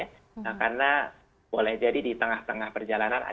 nah karena boleh jadi di tengah tengah perjalanan